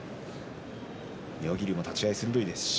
妙義龍も立ち合い鋭いです。